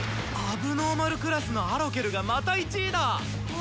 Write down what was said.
問題児クラスのアロケルがまた１位だ！わ！